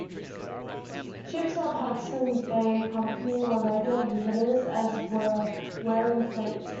Ships of the Hudson's Bay Company were regular visitors, as were whaling fleets.